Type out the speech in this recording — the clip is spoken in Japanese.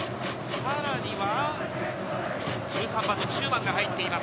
さらには１３番の中馬が入っています。